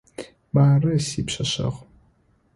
Мары сипшъэшъэгъу.